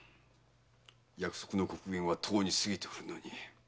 約束の刻限はとうに過ぎておるのに。